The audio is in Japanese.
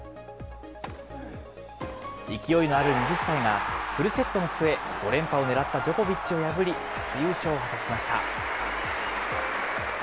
勢いのある２０歳が、フルセットの末、５連覇を狙ったジョコビッチを破り、初優勝を果たしました。